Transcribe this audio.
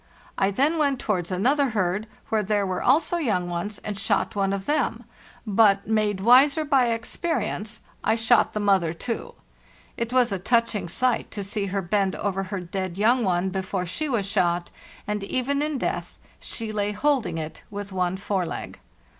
I then went towards another herd, where there were also young ones, and shot one of them; but, made wiser by experience, I shot the mother too. It was a touching sight to see her bend over her dead young one before she was shot, and even in death she lay holding it with one fore leg.